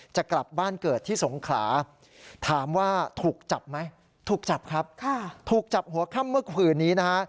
จะกลับบ้านเกิดที่สงขลาถามว่าถูกจับไหมถูกจับครับถูกจับหัวค่ำเมื่อคืนนี้นะฮะ